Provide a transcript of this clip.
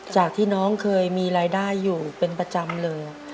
จากที่น้องเคยมีรายได้อยู่เป็นประจำเลย